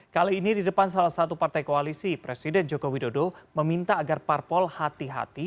kali ini di depan salah satu partai koalisi presiden jokowi dodo meminta agar parpol hati hati